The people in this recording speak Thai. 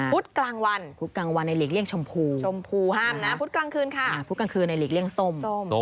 พุธกลางวันหลีกเลี่ยงชมพูพุธกลางคืนในหลีกเลี่ยงส้ม